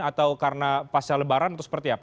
atau karena pasca lebaran atau seperti apa